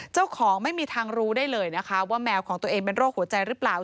เจ้าของไม่มีทางรู้ได้เลยนะคะว่าแมวของตัวเองเป็นโรคหัวใจหรือเปล่า